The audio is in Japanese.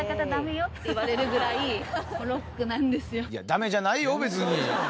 ダメじゃないよ別に。